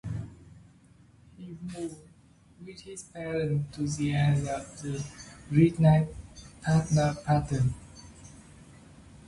He moved with his parents to the area of the Great Nine Partners Patent.